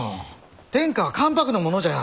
天下は関白のものじゃ。